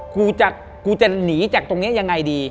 กูจะหนีจากตรงนี้ยังไงดี